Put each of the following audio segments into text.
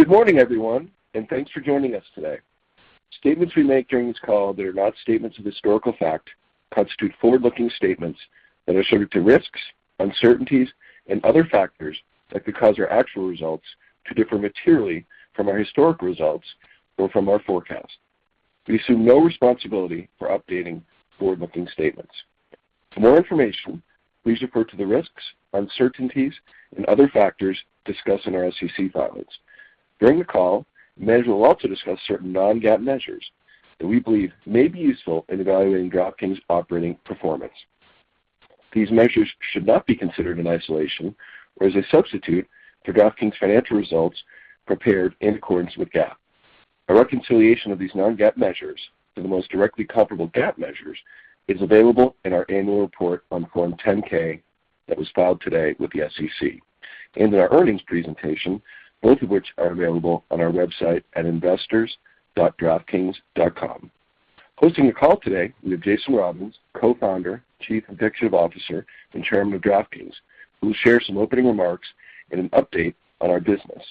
Good morning, everyone, and thanks for joining us today. Statements we make during this call that are not statements of historical fact constitute forward-looking statements that are subject to risks, uncertainties and other factors that could cause our actual results to differ materially from our historic results or from our forecast. We assume no responsibility for updating forward-looking statements. For more information, please refer to the risks, uncertainties and other factors discussed in our SEC filings. During the call, management will also discuss certain non-GAAP measures that we believe may be useful in evaluating DraftKings' operating performance. These measures should not be considered in isolation or as a substitute to DraftKings' financial results prepared in accordance with GAAP. A reconciliation of these non-GAAP measures to the most directly comparable GAAP measures is available in our annual report on Form 10-K that was filed today with the SEC and in our earnings presentation, both of which are available on our website at investors.draftkings.com. Hosting the call today, we have Jason Robins, Co-founder, Chief Executive Officer and Chairman of DraftKings, who will share some opening remarks and an update on our business.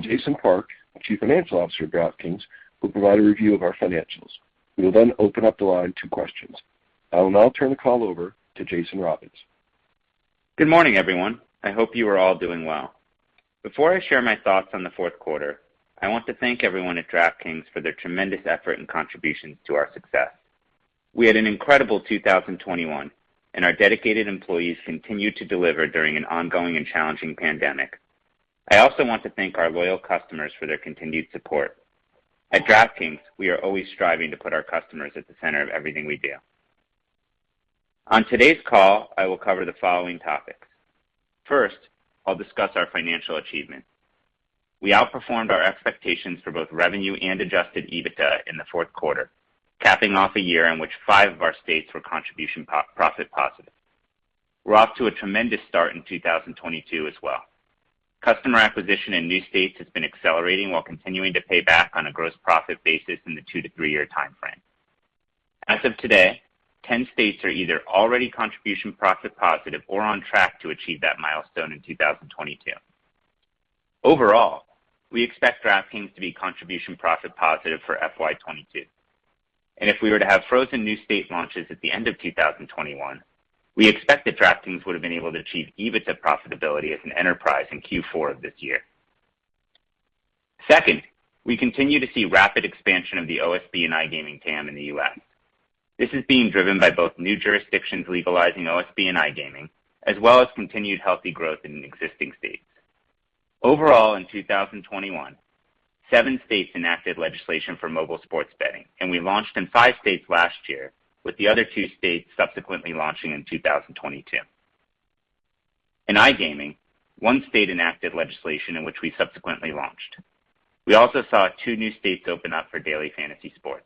Jason Park, the Chief Financial Officer of DraftKings, will provide a review of our financials. We will then open up the line to questions. I will now turn the call over to Jason Robins. Good morning, everyone. I hope you are all doing well. Before I share my thoughts on the fourth quarter, I want to thank everyone at DraftKings for their tremendous effort and contributions to our success. We had an incredible 2021, and our dedicated employees continued to deliver during an ongoing and challenging pandemic. I also want to thank our loyal customers for their continued support. At DraftKings, we are always striving to put our customers at the center of everything we do. On today's call, I will cover the following topics. First, I'll discuss our financial achievement. We outperformed our expectations for both revenue and adjusted EBITDA in the fourth quarter, capping off a year in which five of our states were contribution profit positive. We're off to a tremendous start in 2022 as well. Customer acquisition in new states has been accelerating while continuing to pay back on a gross profit basis in the 2-to-3-year timeframe. As of today, 10 states are either already contribution profit-positive or on track to achieve that milestone in 2022. Overall, we expect DraftKings to be contribution profit-positive for FY 2022. If we were to have frozen new state launches at the end of 2021, we expect that DraftKings would have been able to achieve EBITDA profitability as an enterprise in Q4 of this year. Second, we continue to see rapid expansion of the OSB and iGaming TAM in the U.S. This is being driven by both new jurisdictions legalizing OSB and iGaming, as well as continued healthy growth in existing states. Overall, in 2021, 7 states enacted legislation for mobile sports betting, and we launched in 5 states last year, with the other 2 states subsequently launching in 2022. In iGaming, 1 state enacted legislation in which we subsequently launched. We also saw 2 new states open up for daily fantasy sports.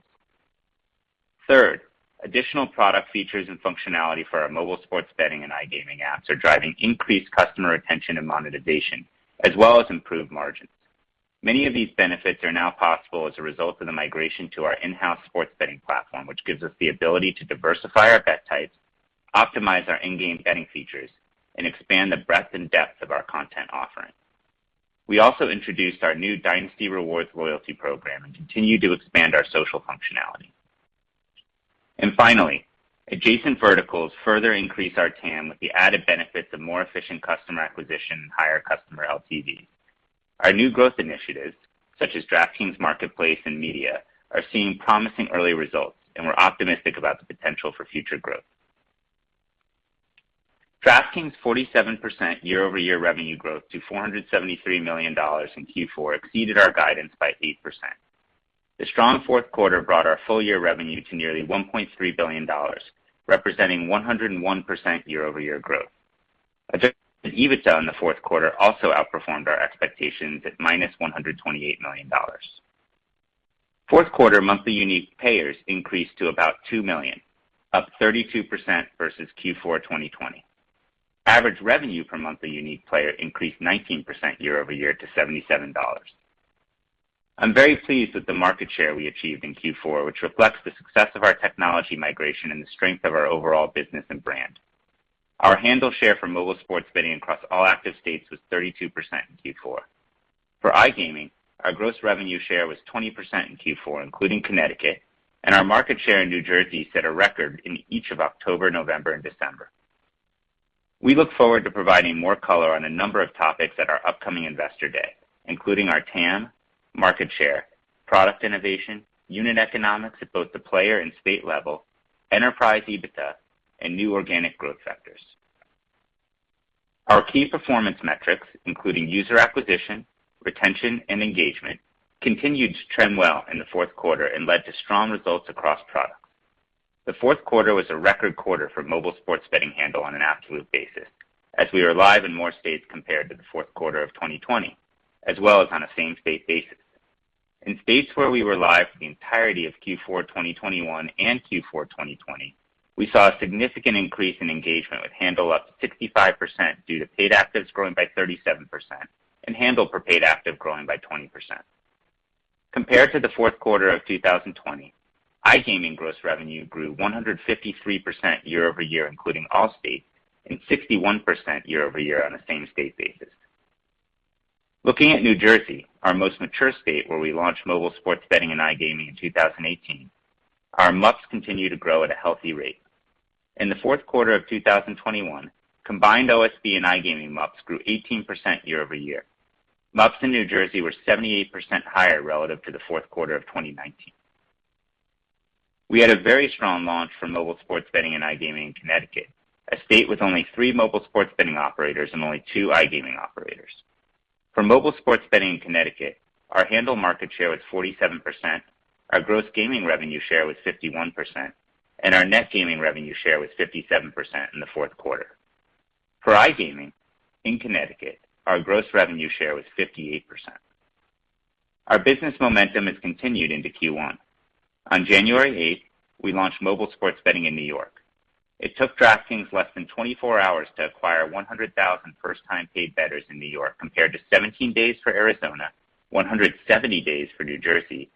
Third, additional product features and functionality for our mobile sports betting and iGaming apps are driving increased customer retention and monetization, as well as improved margins. Many of these benefits are now possible as a result of the migration to our in-house sports betting platform, which gives us the ability to diversify our bet types, optimize our in-game betting features, and expand the breadth and depth of our content offering. We also introduced our new Dynasty Rewards loyalty program and continue to expand our social functionality. Finally, adjacent verticals further increase our TAM with the added benefits of more efficient customer acquisition and higher customer LTVs. Our new growth initiatives, such as DraftKings Marketplace and Media, are seeing promising early results, and we're optimistic about the potential for future growth. DraftKings' 47% year-over-year revenue growth to $473 million in Q4 exceeded our guidance by 8%. The strong fourth quarter brought our full-year revenue to nearly $1.3 billion, representing 101% year-over-year growth. Adjusted EBITDA in the Q4 also outperformed our expectations at -$128 million. Fourth quarter monthly unique payers increased to about 2 million, up 32% versus Q4 2020. Average revenue per monthly unique player increased 19% year-over-year to $77. I'm very pleased with the market share we achieved in Q4, which reflects the success of our technology migration and the strength of our overall business and brand. Our handle share for mobile sports betting across all active states was 32% in Q4. For iGaming, our gross revenue share was 20% in Q4, including Connecticut, and our market share in New Jersey set a record in each of October, November, and December. We look forward to providing more color on a number of topics at our upcoming Investor Day, including our TAM, market share, product innovation, unit economics at both the player and state level, enterprise EBITDA, and new organic growth vectors. Our key performance metrics, including user acquisition, retention, and engagement, continued to trend well in the fourth quarter and led to strong results across products. The fourth quarter was a record quarter for mobile sports betting handle on an absolute basis, as we were live in more states compared to the Q4 of 2020, as well as on a same-state basis. In states where we were live for the entirety of Q4 2021 and Q4 2020, we saw a significant increase in engagement, with handle up 65% due to paid actives growing by 37% and handle per paid active growing by 20%. Compared to the fourth quarter of 2020, iGaming gross revenue grew 153% year-over-year, including all states, and 61% year-over-year on a same state basis. Looking at New Jersey, our most mature state, where we launched mobile sports betting and iGaming in 2018, our MUPs continue to grow at a healthy rate. In the fourth quarter of 2021, combined OSB and iGaming MUPs grew 18% year-over-year. MUPs in New Jersey were 78% higher relative to the Q4 of 2019. We had a very strong launch for mobile sports betting and iGaming in Connecticut, a state with only three mobile sports betting operators and only two iGaming operators. For mobile sports betting in Connecticut, our handle market share was 47%, our gross gaming revenue share was 51%, and our net gaming revenue share was 57% in the Q4. For iGaming in Connecticut, our gross revenue share was 58%. Our business momentum has continued into Q1. On January 8, we launched mobile sports betting in New York. It took DraftKings less than 24 hours to acquire 100,000 first-time paid bettors in New York compared to 17 days for Arizona, 170 days for New Jersey,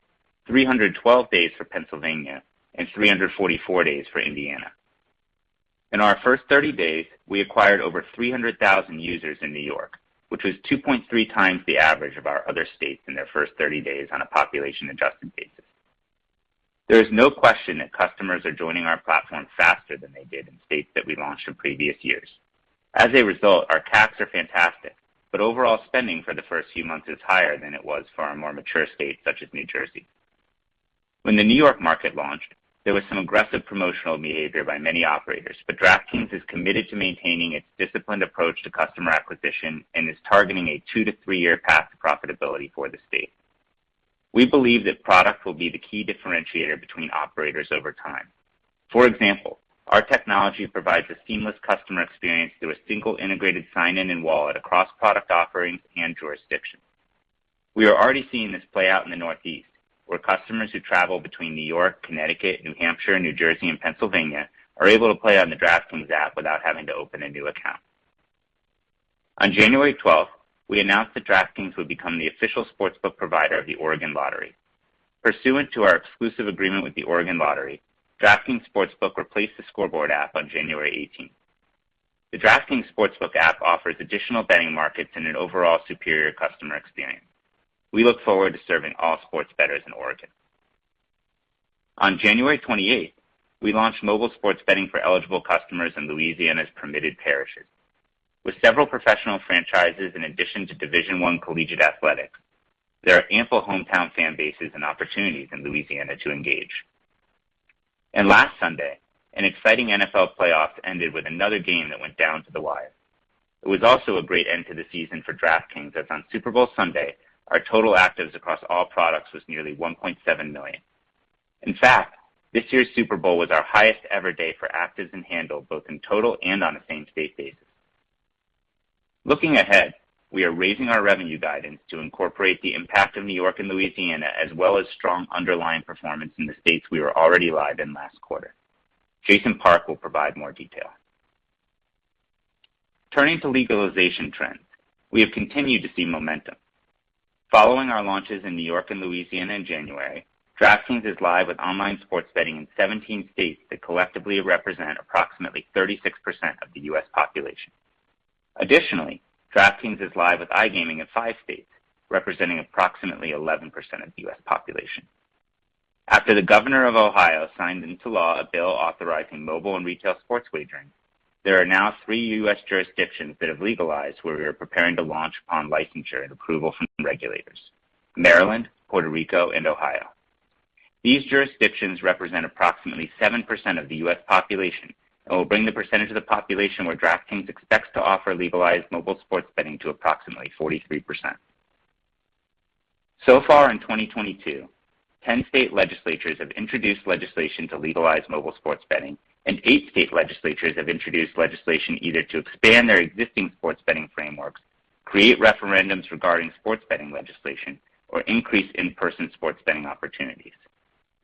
312 days for Pennsylvania, and 344 days for Indiana. In our first 30 days, we acquired over 300,000 users in New York, which was 2.3 times the average of our other states in their first 30 days on a population-adjusted basis. There is no question that customers are joining our platform faster than they did in states that we launched in previous years. As a result, our CACs are fantastic, but overall spending for the first few months is higher than it was for our more mature states, such as New Jersey. When the New York market launched, there was some aggressive promotional behavior by many operators, but DraftKings is committed to maintaining its disciplined approach to customer acquisition and is targeting a 2-3-year path to profitability for the state. We believe that product will be the key differentiator between operators over time. For example, our technology provides a seamless customer experience through a single integrated sign-in and wallet across product offerings and jurisdictions. We are already seeing this play out in the Northeast, where customers who travel between New York, Connecticut, New Hampshire, New Jersey, and Pennsylvania are able to play on the DraftKings app without having to open a new account. On January 12, we announced that DraftKings would become the official sportsbook provider of the Oregon Lottery. Pursuant to our exclusive agreement with the Oregon Lottery, DraftKings Sportsbook replaced the Scoreboard app on January 18. The DraftKings Sportsbook app offers additional betting markets and an overall superior customer experience. We look forward to serving all sports bettors in Oregon. On January 28, we launched mobile sports betting for eligible customers in Louisiana's permitted parishes. With several professional franchises in addition to Division I collegiate athletics, there are ample hometown fan bases and opportunities in Louisiana to engage. Last Sunday, an exciting NFL playoff ended with another game that went down to the wire. It was also a great end to the season for DraftKings, as on Super Bowl Sunday, our total actives across all products was nearly 1.7 million. In fact, this year's Super Bowl was our highest-ever day for actives and handle, both in total and on a same-state basis. Looking ahead, we are raising our revenue guidance to incorporate the impact of New York and Louisiana, as well as strong underlying performance in the states we were already live in last quarter. Jason Park will provide more detail. Turning to legalization trends, we have continued to see momentum. Following our launches in New York and Louisiana in January, DraftKings is live with online sports betting in 17 states that collectively represent approximately 36% of the U.S. population. Additionally, DraftKings is live with iGaming in 5 states, representing approximately 11% of the U.S. population. After the governor of Ohio signed into law a bill authorizing mobile and retail sports wagering, there are now 3 U.S. jurisdictions that have legalized where we are preparing to launch upon licensure and approval from regulators. Maryland, Puerto Rico, and Ohio. These jurisdictions represent approximately 7% of the U.S. population and will bring the percentage of the population where DraftKings expects to offer legalized mobile sports betting to approximately 43%. So far in 2022, 10 state legislatures have introduced legislation to legalize mobile sports betting, and eight state legislatures have introduced legislation either to expand their existing sports betting frameworks, create referendums regarding sports betting legislation, or increase in-person sports betting opportunities.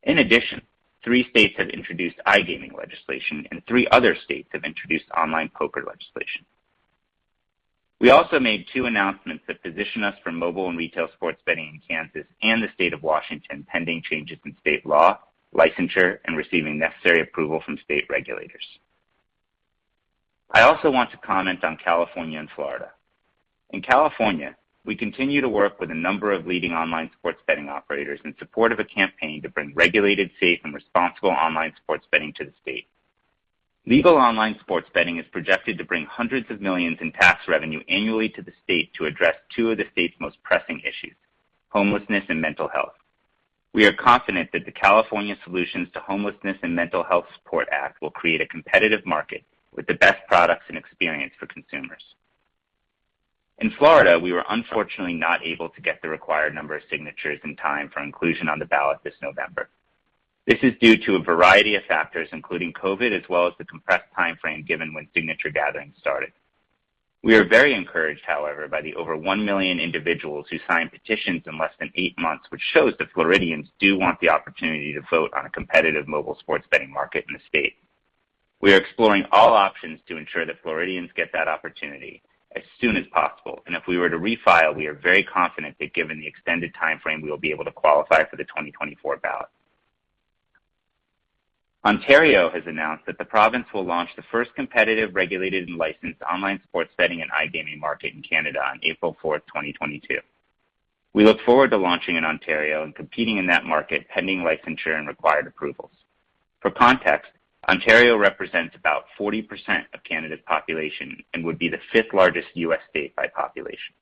In addition, three states have introduced iGaming legislation, and three other states have introduced online poker legislation. We also made two announcements that position us for mobile and retail sports betting in Kansas and the state of Washington, pending changes in state law, licensure, and receiving necessary approval from state regulators. I also want to comment on California and Florida. In California, we continue to work with a number of leading online sports betting operators in support of a campaign to bring regulated, safe, and responsible online sports betting to the state. Legal online sports betting is projected to bring hundreds of millions in tax revenue annually to the state to address two of the state's most pressing issues, homelessness and mental health. We are confident that the California Solutions to Homelessness and Mental Health Support Act will create a competitive market with the best products and experience for consumers. In Florida, we were unfortunately not able to get the required number of signatures in time for inclusion on the ballot this November. This is due to a variety of factors, including COVID, as well as the compressed timeframe given when signature gathering started. We are very encouraged, however, by the over 1 million individuals who signed petitions in less than 8 months, which shows that Floridians do want the opportunity to vote on a competitive mobile sports betting market in the state. We are exploring all options to ensure that Floridians get that opportunity as soon as possible. If we were to refile, we are very confident that given the extended timeframe, we will be able to qualify for the 2024 ballot. Ontario has announced that the province will launch the first competitive, regulated and licensed online sports betting and iGaming market in Canada on April 4, 2022. We look forward to launching in Ontario and competing in that market pending licensure and required approvals. For context, Ontario represents about 40% of Canada's population and would be the fifth-largest U.S. state by population.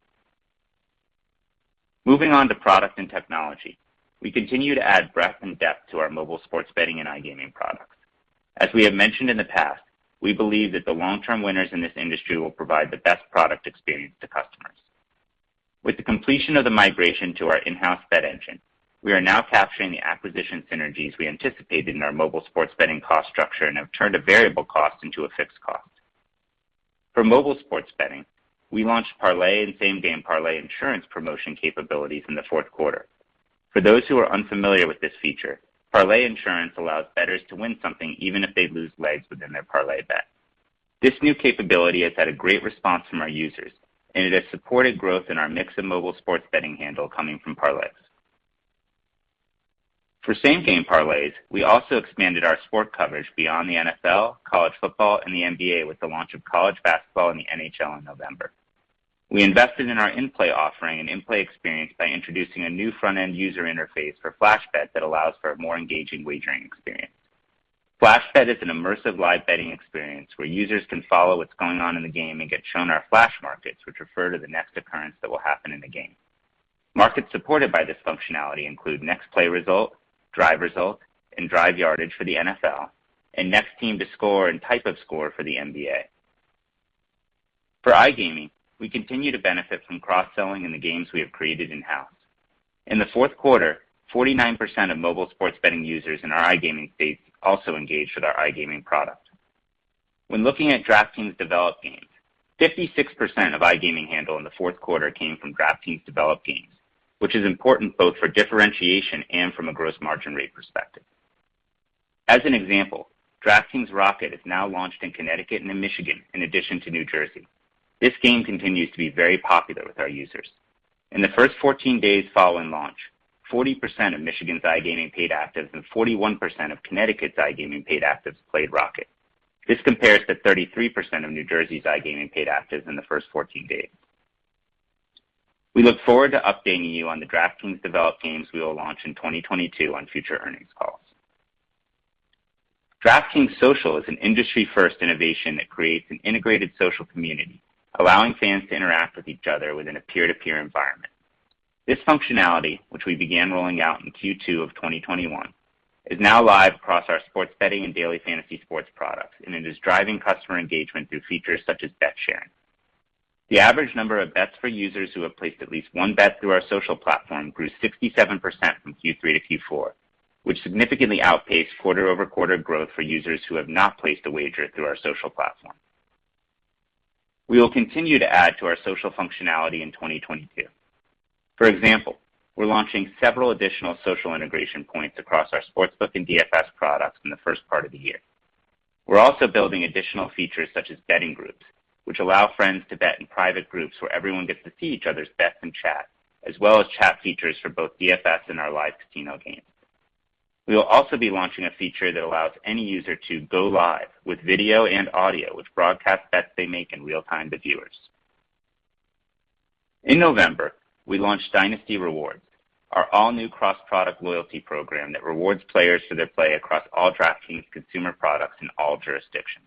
Moving on to product and technology, we continue to add breadth and depth to our mobile sports betting and iGaming products. As we have mentioned in the past, we believe that the long-term winners in this industry will provide the best product experience to customers. With the completion of the migration to our in-house bet engine, we are now capturing the acquisition synergies we anticipated in our mobile sports betting cost structure and have turned a variable cost into a fixed cost. For mobile sports betting, we launched parlay and same-game parlay insurance promotion capabilities in the fourth quarter. For those who are unfamiliar with this feature, parlay insurance allows bettors to win something even if they lose legs within their parlay bet. This new capability has had a great response from our users, and it has supported growth in our mix of mobile sports betting handle coming from parlays. For same-game parlays, we also expanded our sports coverage beyond the NFL, college football, and the NBA with the launch of college basketball and the NHL in November. We invested in our in-play offering and in-play experience by introducing a new front-end user interface for Flash Bet that allows for a more engaging wagering experience. Flash Bet is an immersive live betting experience where users can follow what's going on in the game and get shown our flash markets, which refer to the next occurrence that will happen in the game. Markets supported by this functionality include next play result, drive result, and drive yardage for the NFL, and next team to score and type of score for the NBA. For iGaming, we continue to benefit from cross-selling in the games we have created in-house. In the fourth quarter, 49% of mobile sports betting users in our iGaming states also engaged with our iGaming product. When looking at DraftKings-developed games, 56% of iGaming handle in the fourth quarter came from DraftKings-developed games, which is important both for differentiation and from a gross margin rate perspective. As an example, DraftKings Rocket is now launched in Connecticut and in Michigan, in addition to New Jersey. This game continues to be very popular with our users. In the first 14 days following launch, 40% of Michigan's iGaming paid actives and 41% of Connecticut's iGaming paid actives played Rocket. This compares to 33% of New Jersey's iGaming paid actives in the first 14 days. We look forward to updating you on the DraftKings-developed games we will launch in 2022 on future earnings calls. DraftKings Social is an industry-first innovation that creates an integrated social community, allowing fans to interact with each other within a peer-to-peer environment. This functionality, which we began rolling out in Q2 of 2021, is now live across our sports betting and daily fantasy sports products, and it is driving customer engagement through features such as bet sharing. The average number of bets for users who have placed at least one bet through our social platform grew 67% from Q3 to Q4, which significantly outpaced quarter-over-quarter growth for users who have not placed a wager through our social platform. We will continue to add to our social functionality in 2022. For example, we're launching several additional social integration points across our sportsbook and DFS products in the first part of the year. We're also building additional features such as betting groups, which allow friends to bet in private groups where everyone gets to see each other's bets and chat, as well as chat features for both DFS and our live casino games. We will also be launching a feature that allows any user to go live with video and audio, which broadcasts bets they make in real time to viewers. In November, we launched Dynasty Rewards, our all-new cross-product loyalty program that rewards players for their play across all DraftKings consumer products in all jurisdictions.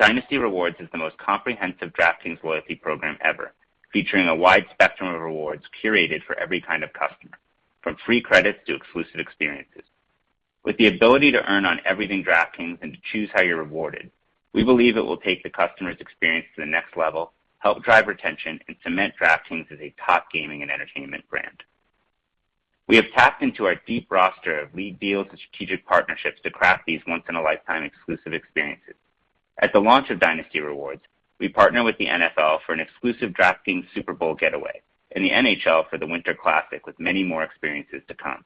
Dynasty Rewards is the most comprehensive DraftKings loyalty program ever, featuring a wide spectrum of rewards curated for every kind of customer, from free credits to exclusive experiences. With the ability to earn on everything DraftKings and to choose how you're rewarded, we believe it will take the customer's experience to the next level, help drive retention, and cement DraftKings as a top gaming and entertainment brand. We have tapped into our deep roster of league deals and strategic partnerships to craft these once-in-a-lifetime exclusive experiences. At the launch of Dynasty Rewards, we partnered with the NFL for an exclusive DraftKings Super Bowl getaway and the NHL for the Winter Classic, with many more experiences to come.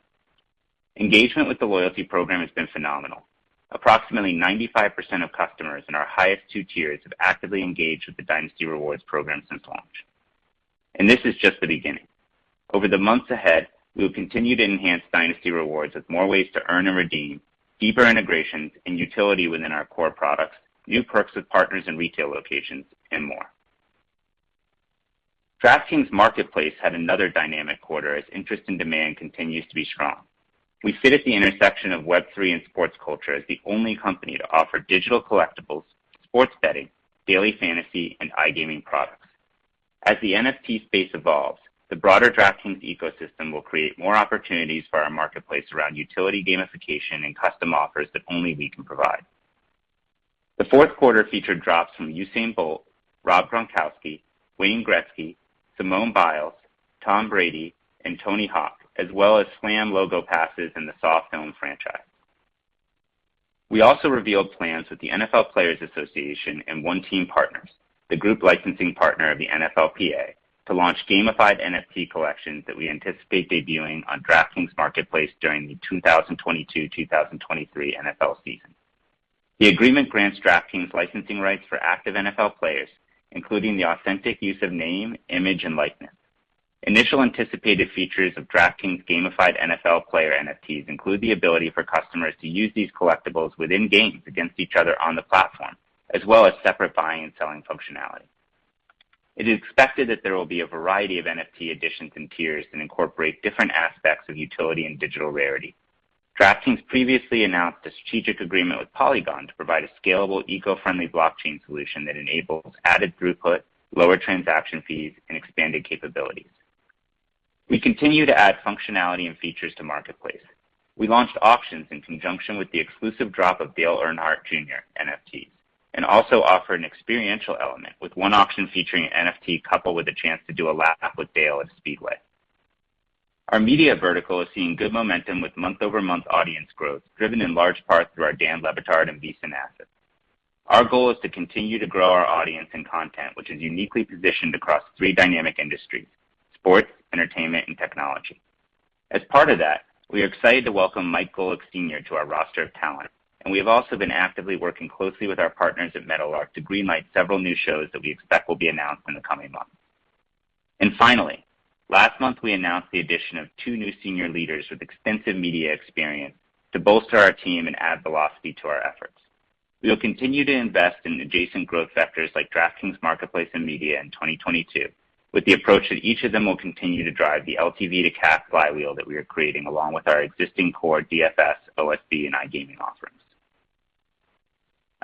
Engagement with the loyalty program has been phenomenal. Approximately 95% of customers in our highest two tiers have actively engaged with the Dynasty Rewards program since launch. This is just the beginning. Over the months ahead, we will continue to enhance Dynasty Rewards with more ways to earn and redeem, deeper integrations, and utility within our core products, new perks with partners and retail locations, and more. DraftKings Marketplace had another dynamic quarter as interest and demand continues to be strong. We sit at the intersection of Web3 and sports culture as the only company to offer digital collectibles, sports betting, daily fantasy, and iGaming products. As the NFT space evolves, the broader DraftKings ecosystem will create more opportunities for our marketplace around utility gamification and custom offers that only we can provide. The fourth quarter featured drops from Usain Bolt, Rob Gronkowski, Wayne Gretzky, Simone Biles, Tom Brady, and Tony Hawk, as well as SLAM logo passes in the Saw film franchise. We also revealed plans with the NFL Players Association and OneTeam Partners, the group licensing partner of the NFLPA to launch gamified NFT collections that we anticipate debuting on DraftKings Marketplace during the 2022-2023 NFL season. The agreement grants DraftKings licensing rights for active NFL players, including the authentic use of name, image, and likeness. Initial anticipated features of DraftKings gamified NFL player NFTs include the ability for customers to use these collectibles within games against each other on the platform, as well as separate buying and selling functionality. It is expected that there will be a variety of NFT editions and tiers that incorporate different aspects of utility and digital rarity. DraftKings previously announced a strategic agreement with Polygon to provide a scalable, eco-friendly blockchain solution that enables added throughput, lower transaction fees, and expanded capabilities. We continue to add functionality and features to Marketplace. We launched auctions in conjunction with the exclusive drop of Dale Earnhardt Jr. NFTs, and also offer an experiential element, with one auction featuring an NFT coupled with a chance to do a lap with Dale at Speedway. Our media vertical is seeing good momentum with month-over-month audience growth, driven in large part through our Dan Le Batard and VSiN assets. Our goal is to continue to grow our audience and content, which is uniquely positioned across three dynamic industries. Sports, entertainment, and technology. As part of that, we are excited to welcome Mike Golic Sr. to our roster of talent, and we have also been actively working closely with our partners at Meadowlark to green light several new shows that we expect will be announced in the coming months. Finally, last month, we announced the addition of two new senior leaders with extensive media experience to bolster our team and add velocity to our efforts. We will continue to invest in adjacent growth vectors like DraftKings Marketplace and Media in 2022, with the approach that each of them will continue to drive the LTV to cash flywheel that we are creating along with our existing core DFS, OSB, and iGaming offerings.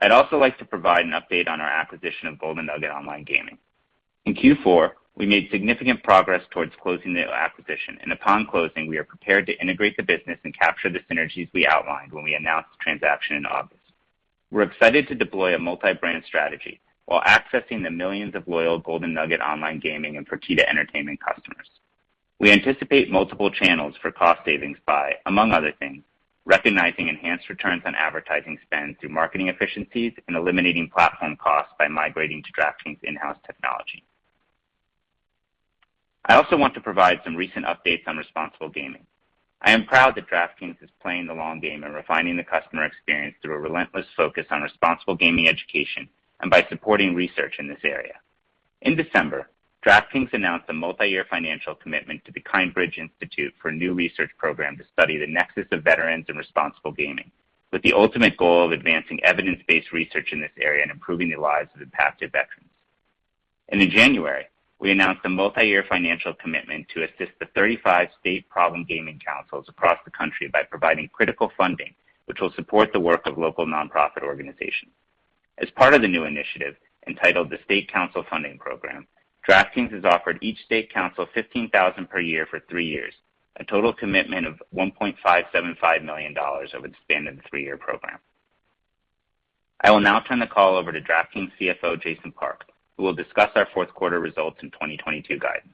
I'd also like to provide an update on our acquisition of Golden Nugget Online Gaming. In Q4, we made significant progress towards closing the acquisition, and upon closing, we are prepared to integrate the business and capture the synergies we outlined when we announced the transaction in August. We're excited to deploy a multi-brand strategy while accessing the millions of loyal Golden Nugget Online Gaming and Fertitta Entertainment customers. We anticipate multiple channels for cost savings by, among other things, recognizing enhanced returns on advertising spend through marketing efficiencies and eliminating platform costs by migrating to DraftKings in-house technology. I also want to provide some recent updates on responsible gaming. I am proud that DraftKings is playing the long game and refining the customer experience through a relentless focus on responsible gaming education and by supporting research in this area. In December, DraftKings announced a multi-year financial commitment to the Kindbridge Research Institute for a new research program to study the nexus of veterans and responsible gaming, with the ultimate goal of advancing evidence-based research in this area and improving the lives of impacted veterans. In January, we announced a multi-year financial commitment to assist the 35 state problem gambling councils across the country by providing critical funding, which will support the work of local nonprofit organizations. As part of the new initiative, entitled the State Council Funding Program, DraftKings has offered each state council $15,000 per year for three years, a total commitment of $1.575 million over the span of the three-year program. I will now turn the call over to DraftKings CFO, Jason Park, who will discuss our fourth quarter results and 2022 guidance.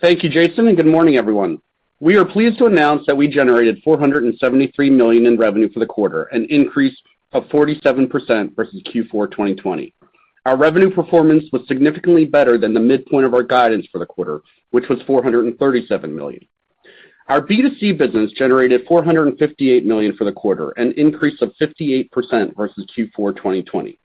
Thank you, Jason, and good morning, everyone. We are pleased to announce that we generated $473 million in revenue for the quarter, an increase of 47% versus Q4 2020. Our revenue performance was significantly better than the midpoint of our guidance for the quarter, which was $437 million. Our B2C business generated $458 million for the quarter, an increase of 58% versus Q4 2020.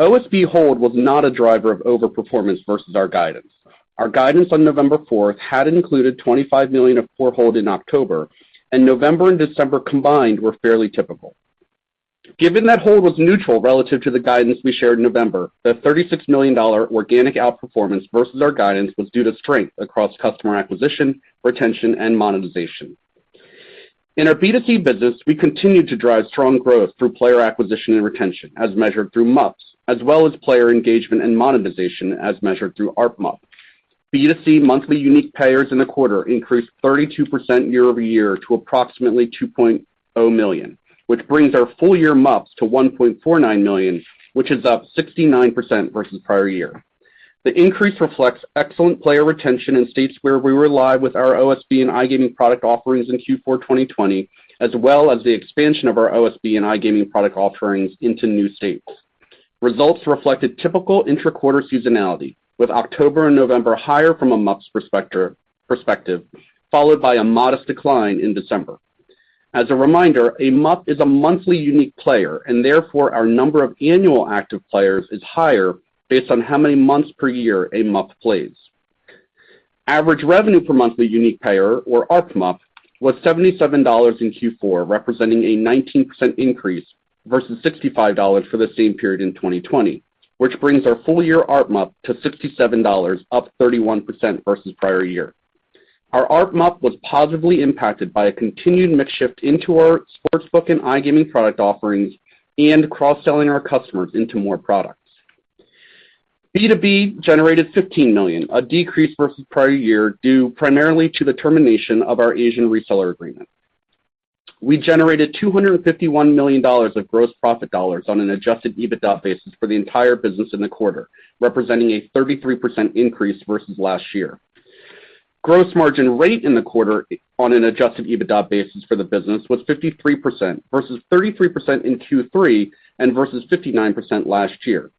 OSB hold was not a driver of overperformance versus our guidance. Our guidance on November fourth had included $25 million of poor hold in October, and November and December combined were fairly typical. Given that hold was neutral relative to the guidance we shared in November, the $36 million organic outperformance versus our guidance was due to strength across customer acquisition, retention, and monetization. In our B2C business, we continued to drive strong growth through player acquisition and retention, as measured through MUPs, as well as player engagement and monetization, as measured through ARPMUP. B2C monthly unique payers in the quarter increased 32% year-over-year to approximately 2.0 million, which brings our full-year MUPs to 1.49 million, which is up 69% versus prior year. The increase reflects excellent player retention in states where we were live with our OSB and iGaming product offerings in Q4 2020, as well as the expansion of our OSB and iGaming product offerings into new states. Results reflected typical intra-quarter seasonality, with October and November higher from a MUPs perspective, followed by a modest decline in December. As a reminder, a MUP is a monthly unique player, and therefore our number of annual active players is higher based on how many months per year a MUP plays. Average revenue per monthly unique payer, or ARP MUP, was $77 in Q4, representing a 19% increase versus $65 for the same period in 2020, which brings our full-year ARP MUP to $67, up 31% versus prior year. Our ARP MUP was positively impacted by a continued mix shift into our sportsbook and iGaming product offerings and cross-selling our customers into more products. B2B generated $15 million, a decrease versus prior year due primarily to the termination of our Asian reseller agreement. We generated $251 million of gross profit dollars on an adjusted EBITDA basis for the entire business in the quarter, representing a 33% increase versus last year. Gross margin rate in the quarter on an adjusted EBITDA basis for the business was 53% versus 33% in Q3 and versus 59% last year.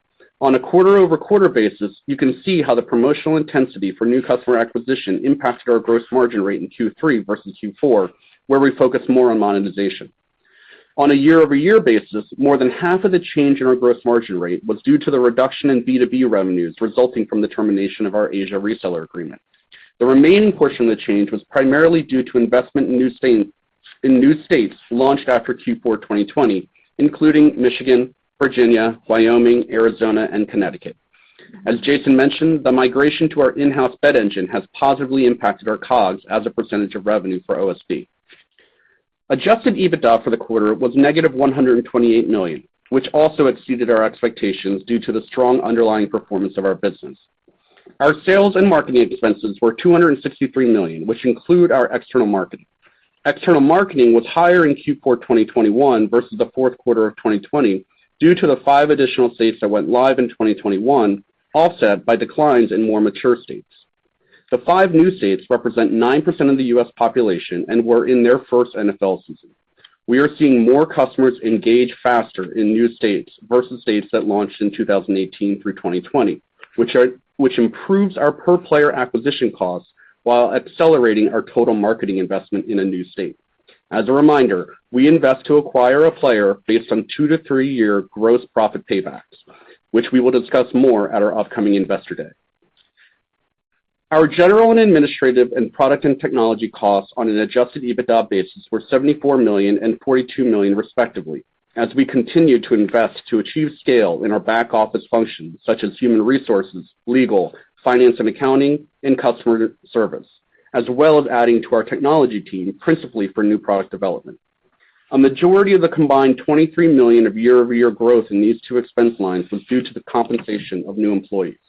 On a quarter-over-quarter basis, you can see how the promotional intensity for new customer acquisition impacted our gross margin rate in Q3 versus Q4, where we focus more on monetization. On a year-over-year basis, more than half of the change in our gross margin rate was due to the reduction in B2B revenues resulting from the termination of our Asia reseller agreement. The remaining portion of the change was primarily due to investment in new states, in new states launched after Q4 2020, including Michigan, Virginia, Wyoming, Arizona, and Connecticut. As Jason mentioned, the migration to our in-house bet engine has positively impacted our COGS as a percentage of revenue for OSB. Adjusted EBITDA for the quarter was -$128 million, which also exceeded our expectations due to the strong underlying performance of our business. Our sales and marketing expenses were $263 million, which include our external marketing. External marketing was higher in Q4 2021 versus the fourth quarter of 2020 due to the 5 additional states that went live in 2021, offset by declines in more mature states. The 5 new states represent 9% of the U.S. population and were in their first NFL season. We are seeing more customers engage faster in new states versus states that launched in 2018 through 2020, which improves our per player acquisition costs while accelerating our total marketing investment in a new state. As a reminder, we invest to acquire a player based on 2-to-3-year gross profit paybacks, which we will discuss more at our upcoming Investor Day. Our general and administrative and product and technology costs on an adjusted EBITDA basis were $74 million and $42 million respectively as we continue to invest to achieve scale in our back-office functions such as human resources, legal, finance and accounting, and customer service, as well as adding to our technology team, principally for new product development. A majority of the combined $23 million of year-over-year growth in these two expense lines was due to the compensation of new employees.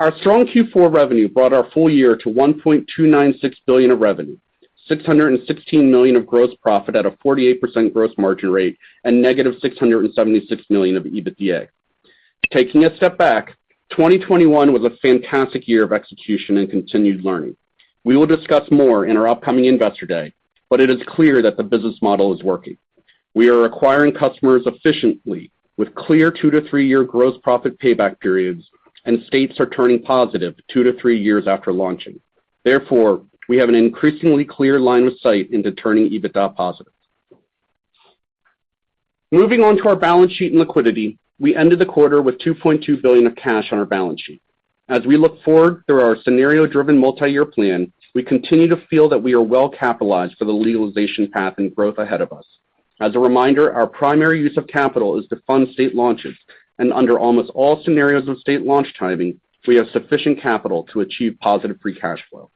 Our strong Q4 revenue brought our full year to $1.296 billion of revenue, $616 million of gross profit at a 48% gross margin rate, and negative $676 million of EBITDA. Taking a step back, 2021 was a fantastic year of execution and continued learning. We will discuss more in our upcoming Investor Day, but it is clear that the business model is working. We are acquiring customers efficiently with clear 2-to-3-year gross profit payback periods, and states are turning positive 2 to 3 years after launching. Therefore, we have an increasingly clear line of sight into turning EBITDA positive. Moving on to our balance sheet and liquidity, we ended the quarter with $2.2 billion of cash on our balance sheet. As we look forward through our scenario-driven multi-year plan, we continue to feel that we are well-capitalized for the legalization path and growth ahead of us. As a reminder, our primary use of capital is to fund state launches, and under almost all scenarios of state launch timing, we have sufficient capital to achieve positive free cash flow.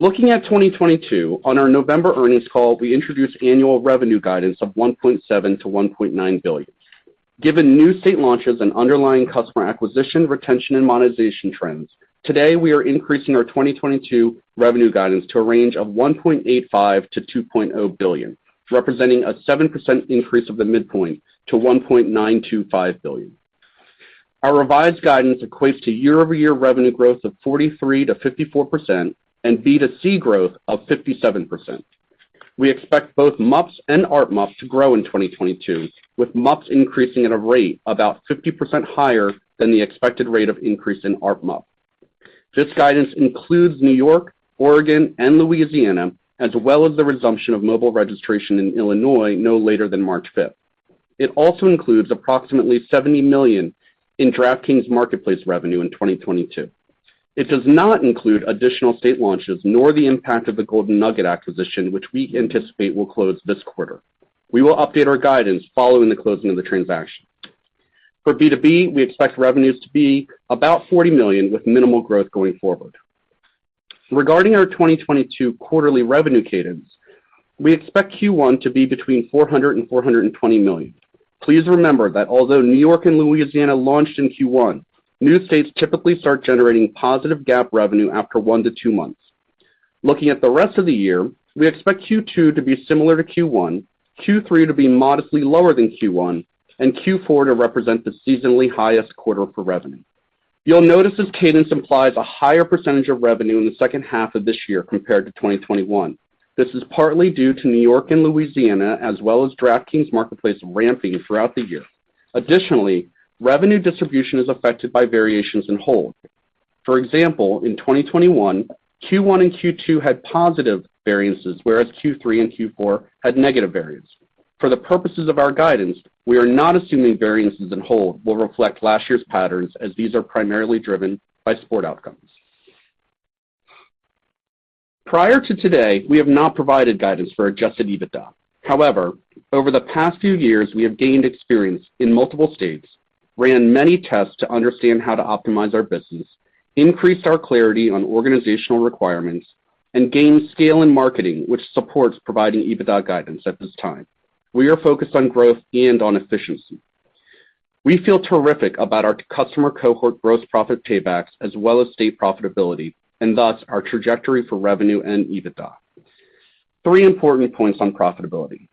Looking at 2022, on our November earnings call, we introduced annual revenue guidance of $1.7 billion to $1.9 billion. Given new state launches and underlying customer acquisition, retention, and monetization trends, today we are increasing our 2022 revenue guidance to a range of $1.85 billion to $2.0 billion, representing a 7% increase of the midpoint to $1.925 billion. Our revised guidance equates to year-over-year revenue growth of 43% to 54% and B2C growth of 57%. We expect both MUPs and ARPMUPs to grow in 2022, with MUPs increasing at a rate about 50% higher than the expected rate of increase in ARPMUP. This guidance includes New York, Oregon, and Louisiana, as well as the resumption of mobile registration in Illinois no later than March fifth. It also includes approximately $70 million in DraftKings Marketplace revenue in 2022. It does not include additional state launches nor the impact of the Golden Nugget acquisition, which we anticipate will close this quarter. We will update our guidance following the closing of the transaction. For B2B, we expect revenues to be about $40 million with minimal growth going forward. Regarding our 2022 quarterly revenue cadence, we expect Q1 to be between $400 million and $420 million. Please remember that although New York and Louisiana launched in Q1, new states typically start generating positive GAAP revenue after 1 to 2 months. Looking at the rest of the year, we expect Q2 to be similar to Q1, Q3 to be modestly lower than Q1, and Q4 to represent the seasonally highest quarter for revenue. You'll notice this cadence implies a higher percentage of revenue in the second half of this year compared to 2021. This is partly due to New York and Louisiana, as well as DraftKings Marketplace ramping throughout the year. Additionally, revenue distribution is affected by variations in hold. For example, in 2021, Q1 and Q2 had positive variances, whereas Q3 and Q4 had negative variance. For the purposes of our guidance, we are not assuming variances in hold will reflect last year's patterns, as these are primarily driven by sport outcomes. Prior to today, we have not provided guidance for adjusted EBITDA. However, over the past few years, we have gained experience in multiple states, ran many tests to understand how to optimize our business, increased our clarity on organizational requirements, and gained scale in marketing, which supports providing EBITDA guidance at this time. We are focused on growth and on efficiency. We feel terrific about our customer cohort growth profit paybacks as well as state profitability, and thus our trajectory for revenue and EBITDA. 3 important points on profitability.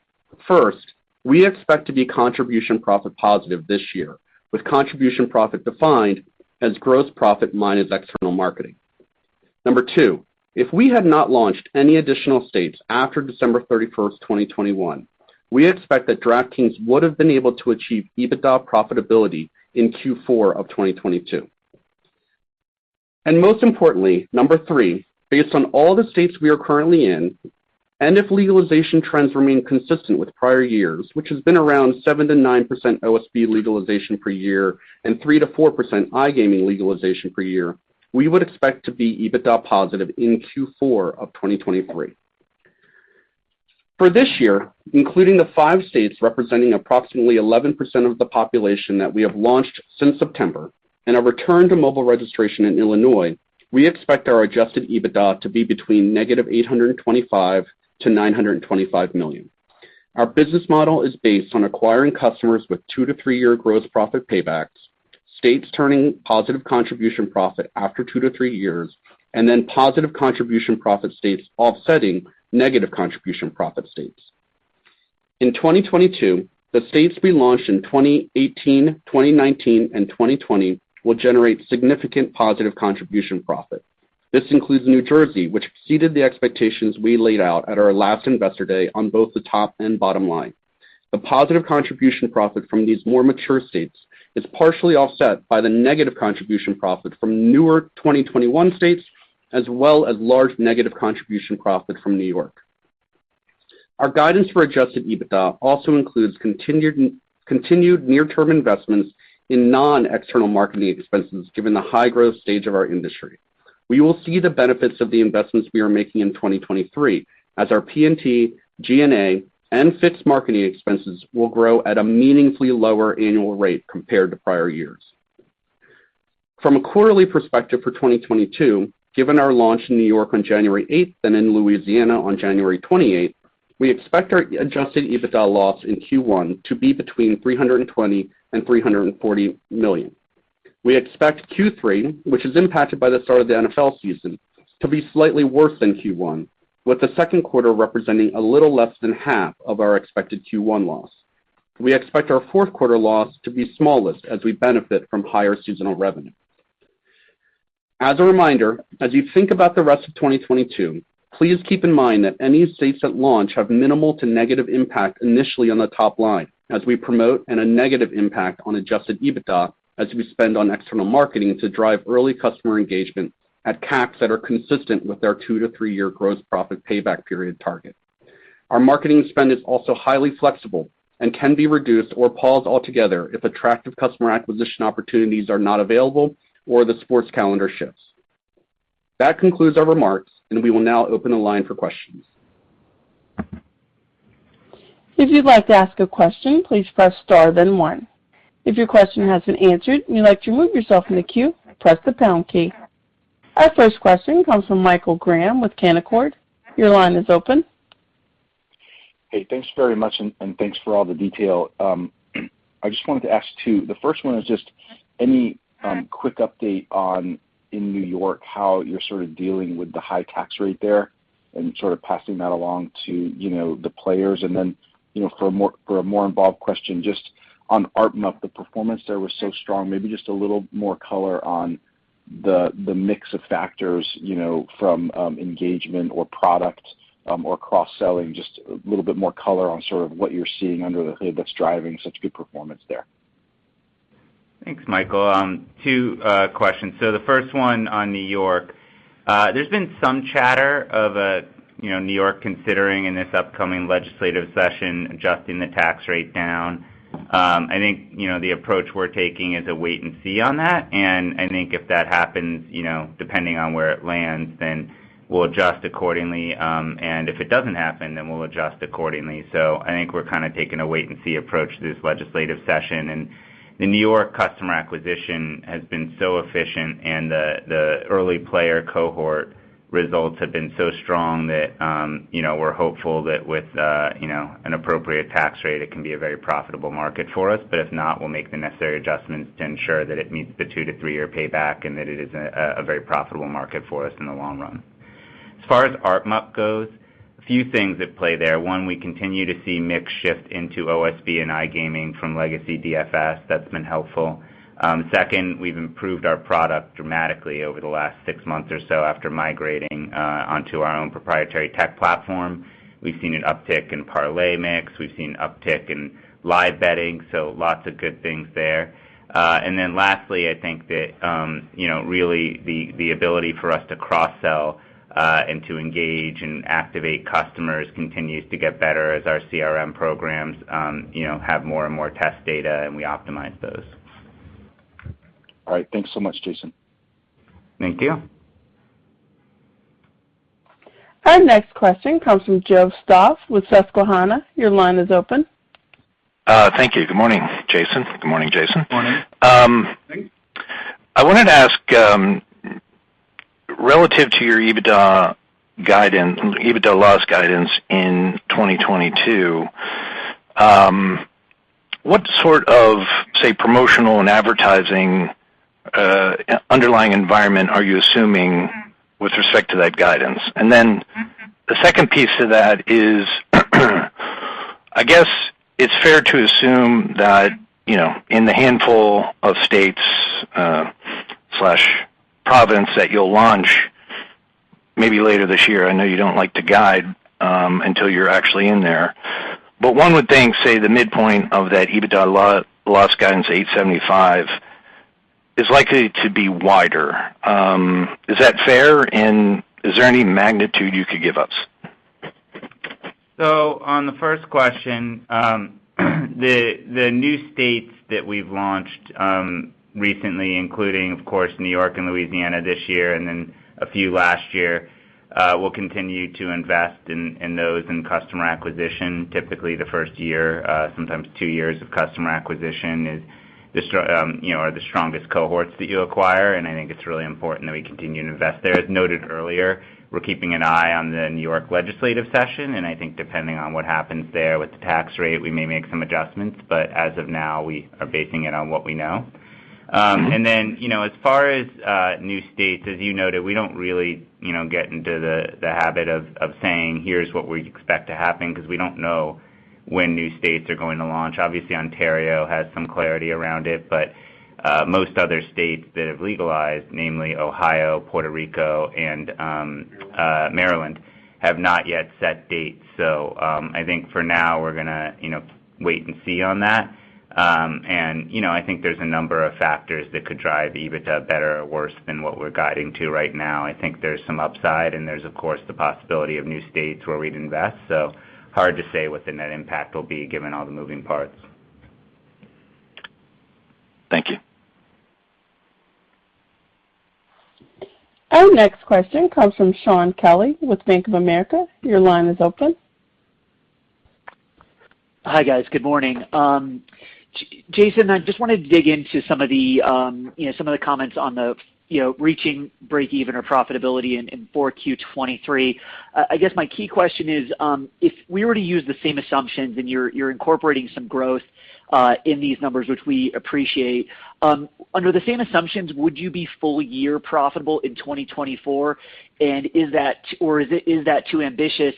First, we expect to be contribution profit positive this year, with contribution profit defined as gross profit minus external marketing. Number two, if we had not launched any additional states after December 31, 2021, we expect that DraftKings would have been able to achieve EBITDA profitability in Q4 of 2022. Most importantly, number three, based on all the states we are currently in, and if legalization trends remain consistent with prior years, which has been around 7%-9% OSB legalization per year and 3%-4% iGaming legalization per year, we would expect to be EBITDA positive in Q4 of 2023. For this year, including the 5 states representing approximately 11% of the population that we have launched since September and a return to mobile registration in Illinois, we expect our adjusted EBITDA to be between -$825 million and -$925 million. Our business model is based on acquiring customers with 2-to-3-year gross profit paybacks, states turning positive contribution profit after 2 to 3 years, and then positive contribution profit states offsetting negative contribution profit states. In 2022, the states we launched in 2018, 2019, and 2020 will generate significant positive contribution profit. This includes New Jersey, which exceeded the expectations we laid out at our last Investor Day on both the top and bottom line. The positive contribution profit from these more mature states is partially offset by the negative contribution profit from newer 2021 states, as well as large negative contribution profit from New York. Our guidance for adjusted EBITDA also includes continued near-term investments in non-external marketing expenses, given the high-growth stage of our industry. We will see the benefits of the investments we are making in 2023 as our P&T, G&A, and fixed marketing expenses will grow at a meaningfully lower annual rate compared to prior years. From a quarterly perspective for 2022, given our launch in New York on January 8 and in Louisiana on January 28, we expect our adjusted EBITDA loss in Q1 to be between $320 million and $340 million. We expect Q3, which is impacted by the start of the NFL season, to be slightly worse than Q1, with the second quarter representing a little less than half of our expected Q1 loss. We expect our fourth quarter loss to be smallest as we benefit from higher seasonal revenue. As a reminder, as you think about the rest of 2022, please keep in mind that any states at launch have minimal to negative impact initially on the top line as we promote and a negative impact on adjusted EBITDA as we spend on external marketing to drive early customer engagement at CACs that are consistent with our 2-to-3-year gross profit payback period target. Our marketing spend is also highly flexible and can be reduced or paused altogether if attractive customer acquisition opportunities are not available or the sports calendar shifts. That concludes our remarks, and we will now open the line for questions. If you like to ask a question, please star then 1, if your question has been answered you'd like to move yourself from the queue press the pound key. Our first question comes from Michael Graham with Canaccord. Your line is open. Hey, thanks very much, and thanks for all the detail. I just wanted to ask two. The first one is just any quick update on in New York, how you're sort of dealing with the high tax rate there and sort of passing that along to, you know, the players. Then, you know, for a more involved question, just on ARPMUP, the performance there was so strong. Maybe just a little more color on the mix of factors, you know, from engagement or product or cross-selling, just a little bit more color on sort of what you're seeing under the hood that's driving such good performance there. Thanks, Michael. Two questions. The first one on New York. There's been some chatter of, you know, New York considering in this upcoming legislative session adjusting the tax rate down. I think, you know, the approach we're taking is a wait and see on that. I think if that happens, you know, depending on where it lands, then we'll adjust accordingly. If it doesn't happen, then we'll adjust accordingly. I think we're kind of taking a wait and see approach to this legislative session. The New York customer acquisition has been so efficient, and the early player cohort results have been so strong that, you know, we're hopeful that with, you know, an appropriate tax rate, it can be a very profitable market for us. If not, we'll make the necessary adjustments to ensure that it meets the 2-3-year payback and that it is a very profitable market for us in the long run. As far as ARPMUP goes, a few things at play there. One, we continue to see mix shift into OSB and iGaming from legacy DFS. That's been helpful. Second, we've improved our product dramatically over the last six months or so after migrating onto our own proprietary tech platform. We've seen an uptick in parlay mix. We've seen uptick in live betting, so lots of good things there. And then lastly, I think that really the ability for us to cross-sell and to engage and activate customers continues to get better as our CRM programs have more and more test data, and we optimize those. All right. Thanks so much, Jason. Thank you. Our next question comes from Joe Stauff with Susquehanna. Your line is open. Thank you. Good morning, Jason. Morning. I wanted to ask, relative to your EBITDA loss guidance in 2022. What sort of, say, promotional and advertising underlying environment are you assuming with respect to that guidance? The second piece to that is, I guess it's fair to assume that, you know, in the handful of states slash province that you'll launch maybe later this year. I know you don't like to guide until you're actually in there. One would think, say, the midpoint of that EBITDA loss guidance, $875, is likely to be wider. Is that fair? Is there any magnitude you could give us? On the first question, the new states that we've launched recently, including, of course, New York and Louisiana this year and then a few last year, we'll continue to invest in those in customer acquisition. Typically, the first year, sometimes two years of customer acquisition is you know, are the strongest cohorts that you acquire, and I think it's really important that we continue to invest there. As noted earlier, we're keeping an eye on the New York legislative session, and I think depending on what happens there with the tax rate, we may make some adjustments. As of now, we are basing it on what we know. You know, as far as new states, as you noted, we don't really get into the habit of saying, "Here's what we expect to happen," because we don't know when new states are going to launch. Obviously, Ontario has some clarity around it, but most other states that have legalized, namely Ohio, Puerto Rico and Maryland, have not yet set dates. I think for now, we're gonna wait and see on that. You know, I think there's a number of factors that could drive EBITDA better or worse than what we're guiding to right now. I think there's some upside, and there's, of course, the possibility of new states where we'd invest. Hard to say what the net impact will be given all the moving parts. Thank you. Our next question comes from Shaun Kelley with Bank of America. Your line is open. Hi, guys. Good morning. Jason, I just wanted to dig into some of the, you know, some of the comments on the, you know, reaching breakeven or profitability in 4Q 2023. I guess my key question is, if we were to use the same assumptions and you're incorporating some growth in these numbers, which we appreciate, under the same assumptions, would you be full year profitable in 2024? Is that or is it, is that too ambitious?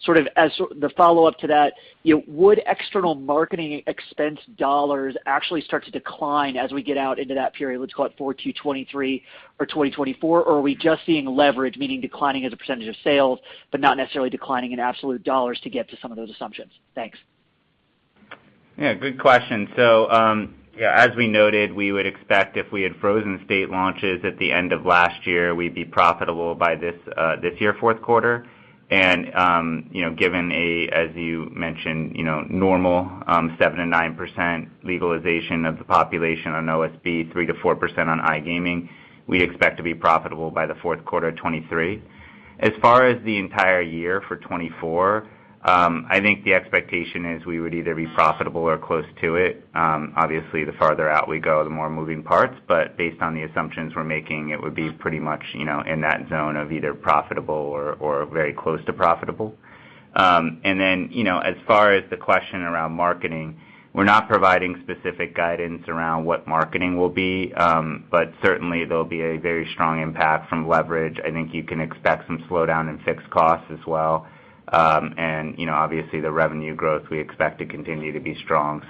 Sort of as the follow-up to that, you know, would external marketing expense dollars actually start to decline as we get out into that period, let's call it 4Q 2023 or 2024? Or are we just seeing leverage, meaning declining as a percentage of sales, but not necessarily declining in absolute dollars to get to some of those assumptions? Thanks. Yeah, good question. So, yeah, as we noted, we would expect if we had frozen state launches at the end of last year, we'd be profitable by this year, fourth quarter. You know, given a, as you mentioned, you know, normal, 7% to 9% legalization of the population on OSB, 3% to 4% on iGaming, we expect to be profitable by the fourth quarter of 2023. As far as the entire year for 2024, I think the expectation is we would either be profitable or close to it. Obviously, the farther out we go, the more moving parts, but based on the assumptions we're making, it would be pretty much, you know, in that zone of either profitable or very close to profitable. You know, as far as the question around marketing, we're not providing specific guidance around what marketing will be, but certainly, there'll be a very strong impact from leverage. I think you can expect some slowdown in fixed costs as well. You know, obviously, the revenue growth we expect to continue to be strong.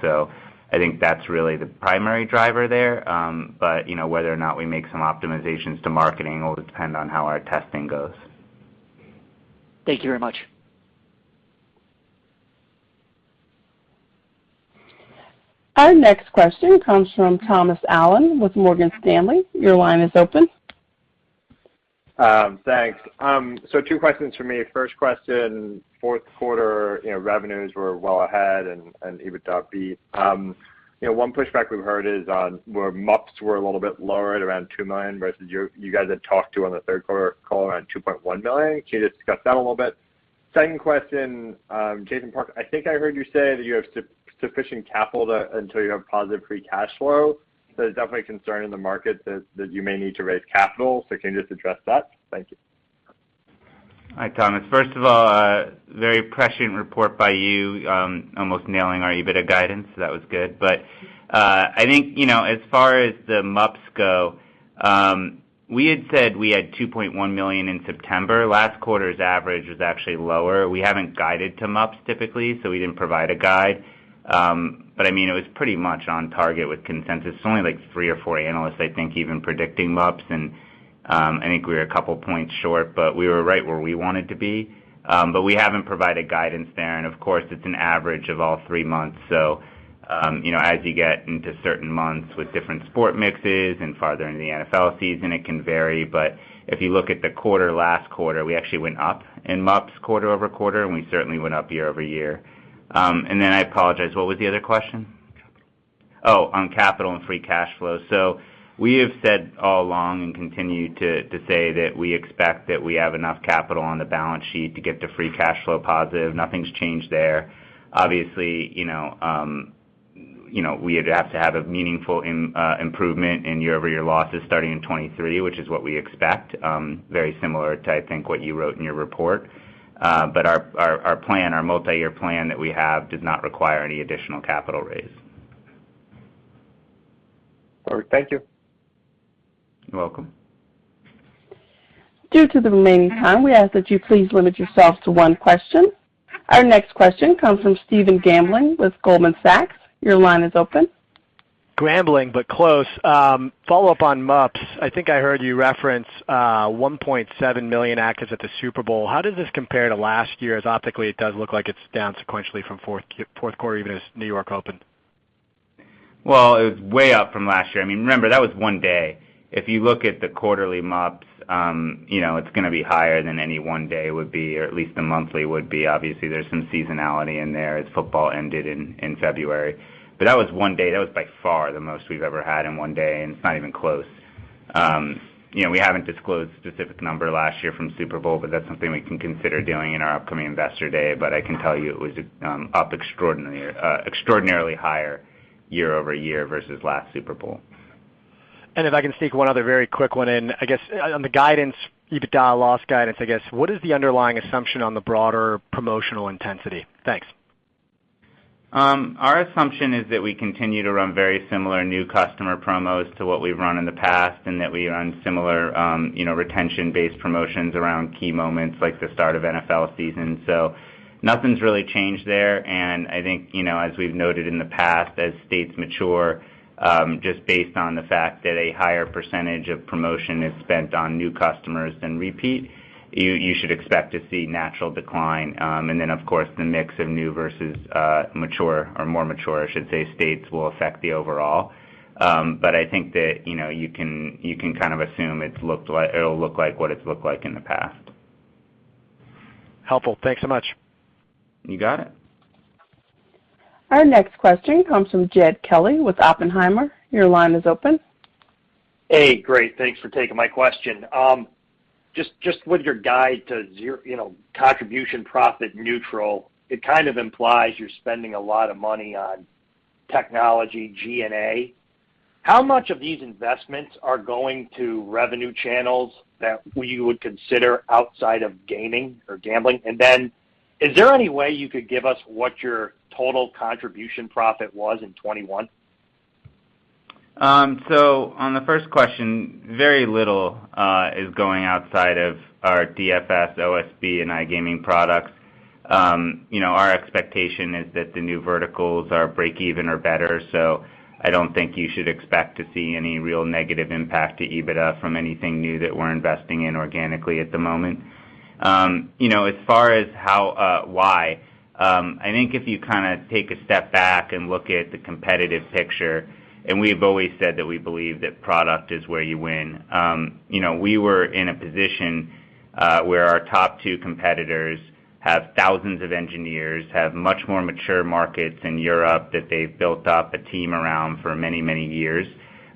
I think that's really the primary driver there. You know, whether or not we make some optimizations to marketing will depend on how our testing goes. Thank you very much. Our next question comes from Thomas Allen with Morgan Stanley. Your line is open. Thanks. So two questions from me. First question, fourth quarter, you know, revenues were well ahead and EBITDA beat. You know, one pushback we've heard is on where MUPs were a little bit lower at around 2 million versus you guys had talked to on the third quarter call around 2.1 million. Can you just discuss that a little bit? Second question, Jason Park, I think I heard you say that you have sufficient capital until you have positive free cash flow. So there's definitely concern in the market that you may need to raise capital. So can you just address that? Thank you. Hi, Thomas. First of all, very prescient report by you, almost nailing our EBITDA guidance. That was good. I think, you know, as far as the MUPs go, we had said we had 2.1 million in September. Last quarter's average was actually lower. We haven't guided to MUPs typically, so we didn't provide a guide. I mean, it was pretty much on target with consensus. It's only like three or four analysts, I think, even predicting MUPs. I think we're a couple points short, but we were right where we wanted to be. We haven't provided guidance there. Of course, it's an average of all three months. You know, as you get into certain months with different sport mixes and farther in the NFL season, it can vary. If you look at the quarter, last quarter, we actually went up in MUPs quarter-over-quarter, and we certainly went up year-over-year. Then I apologize, what was the other question? Capital. Oh, on capital and free cash flow. We have said all along and continue to say that we expect that we have enough capital on the balance sheet to get to free cash flow positive. Nothing's changed there. Obviously, you know, you know, we had to have a meaningful improvement in year-over-year losses starting in 2023, which is what we expect, very similar to, I think, what you wrote in your report. Our plan, our multiyear plan that we have does not require any additional capital raise. All right. Thank you. You're welcome. Due to the remaining time, we ask that you please limit yourselves to one question. Our next question comes from Stephen Grambling with Goldman Sachs. Your line is open. Grambling, but close. Follow-up on MUPs. I think I heard you reference 1.7 million actives at the Super Bowl. How does this compare to last year's? Optically, it does look like it's down sequentially from fourth quarter, even as New York opened. Well, it was way up from last year. I mean, remember, that was one day. If you look at the quarterly MUPs, you know, it's gonna be higher than any one day would be, or at least the monthly would be. Obviously, there's some seasonality in there as football ended in February. That was one day. That was by far the most we've ever had in one day, and it's not even close. You know, we haven't disclosed specific number last year from Super Bowl, but that's something we can consider doing in our upcoming Investor Day. I can tell you it was extraordinarily higher year-over-year versus last Super Bowl. If I can sneak one other very quick one in. I guess, on the guidance, EBITDA loss guidance, I guess, what is the underlying assumption on the broader promotional intensity? Thanks. Our assumption is that we continue to run very similar new customer promos to what we've run in the past and that we run similar, you know, retention-based promotions around key moments like the start of NFL season. Nothing's really changed there. I think, you know, as we've noted in the past, as states mature, just based on the fact that a higher percentage of promotion is spent on new customers than repeat, you should expect to see natural decline. Of course, the mix of new versus, mature or more mature, I should say, states will affect the overall. I think that, you know, you can kind of assume it'll look like what it's looked like in the past. Helpful. Thanks so much. You got it. Our next question comes from Jed Kelly with Oppenheimer. Your line is open. Hey. Great. Thanks for taking my question. Just with your guidance to zero, you know, contribution profit neutral, it kind of implies you're spending a lot of money on technology, G&A. How much of these investments are going to revenue channels that we would consider outside of gaming or gambling? Is there any way you could give us what your total contribution profit was in 2021? On the first question, very little is going outside of our DFS, OSB, and iGaming products. You know, our expectation is that the new verticals are break even or better. I don't think you should expect to see any real negative impact to EBITDA from anything new that we're investing in organically at the moment. You know, as far as why, I think if you kinda take a step back and look at the competitive picture, and we've always said that we believe that product is where you win. You know, we were in a position where our top two competitors have thousands of engineers, have much more mature markets in Europe, that they've built up a team around for many, many years.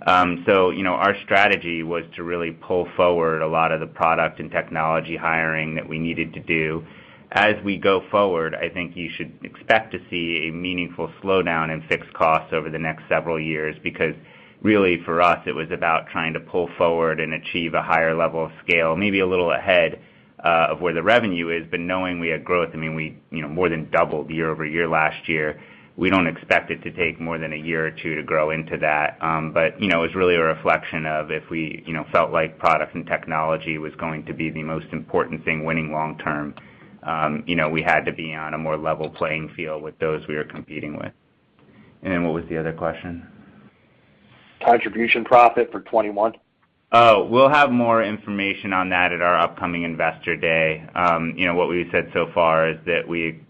you know, our strategy was to really pull forward a lot of the product and technology hiring that we needed to do. As we go forward, I think you should expect to see a meaningful slowdown in fixed costs over the next several years, because really, for us, it was about trying to pull forward and achieve a higher level of scale, maybe a little ahead, of where the revenue is, but knowing we had growth. I mean, we, you know, more than doubled year-over-year last year. We don't expect it to take more than a year or two to grow into that. You know, it's really a reflection of if we, you know, felt like product and technology was going to be the most important thing winning long term, you know, we had to be on a more level playing field with those we are competing with. Then what was the other question? Contribution profit for 2021. Oh, we'll have more information on that at our upcoming Investor Day. You know, what we've said so far is that we